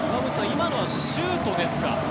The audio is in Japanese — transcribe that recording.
今のはシュートですか？